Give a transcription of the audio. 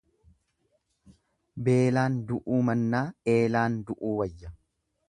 Beelaan du'uu mannaa eelaan du'uu wayya.